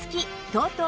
ＴＯＴＯ